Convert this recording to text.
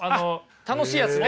楽しいやつね。